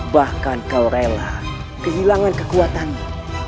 bahkan kau rela kehilangan kekuatanmu